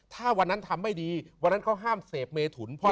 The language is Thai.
ถ้าวันนั้นทำไม่ดีวันนั้นเขาห้ามเสพเมถุน